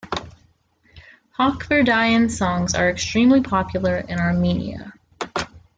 Hakhverdyan's songs are extremely popular in Armenia.